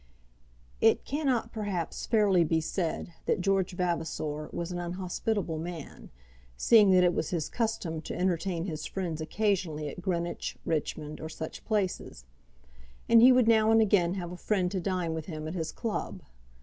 It cannot perhaps fairly be said that George Vavasor was an unhospitable man, seeing that it was his custom to entertain his friends occasionally at Greenwich, Richmond, or such places; and he would now and again have a friend to dine with him at his club.